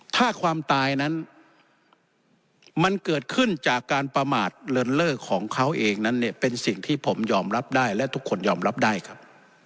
ถ้าความตายนั้นมันเกิดขึ้นจากการประมาทเลินเล่อของเขาเองนั้นเนี่ยเป็นสิ่งที่ผมยอมรับได้และทุกคนยอมรับได้ครับ